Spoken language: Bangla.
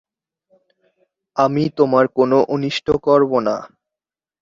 আমি তোমার কোন অনিষ্ট করব না।